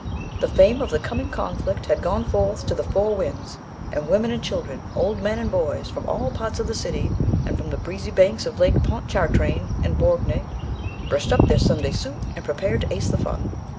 "The fame of the coming conflict had gone forth to the four winds, and women and children, old men and boys, from all parts of the city, and from the breezy banks of Lake Pontchartrain and Borgne, brushed up their Sunday suit, and prepared to ace the fun.